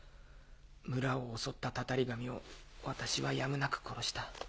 村を襲ったタタリ神を私はやむなく殺した。